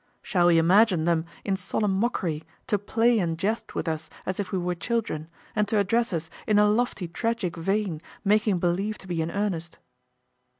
Shall we imagine them in solemn mockery, to play and jest with us as if we were children, and to address us in a lofty tragic vein, making believe to be in earnest?